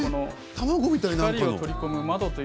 卵みたい。